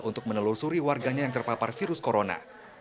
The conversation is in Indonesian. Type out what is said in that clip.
untuk menelusuri warganya yang terpapar virus corona